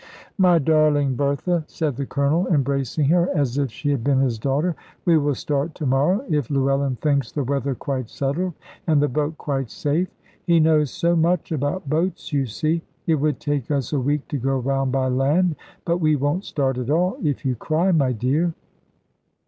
"My darling Bertha," said the Colonel, embracing her, as if she had been his daughter, "we will start to morrow, if Llewellyn thinks the weather quite settled, and the boat quite safe. He knows so much about boats, you see. It would take us a week to go round by land. But we won't start at all, if you cry, my dear!"